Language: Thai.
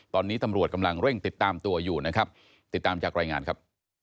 ตอนนี้ตำรวจกำลังเร่งติดตามตัวอยู่นะครับติดตามจากรายงานครับ